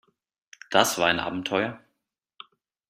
Das war ein Abenteuer.